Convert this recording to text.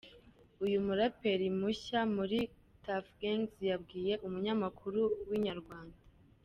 Uyu muraperi mushya muri Tuff Gangz yabwiye umunyamakuru wa Inyarwanda.